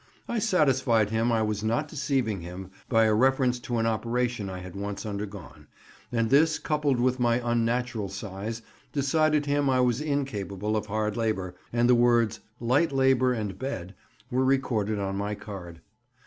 I satisfied him I was not deceiving him by a reference to an operation I had once undergone; and this, coupled with my unnatural size, decided him I was incapable of hard labour, and the words, "Light labour and bed," were recorded on my card.